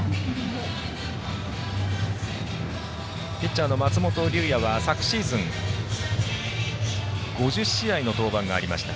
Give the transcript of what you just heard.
ピッチャーの松本竜也は昨シーズン５０試合の登板がありました。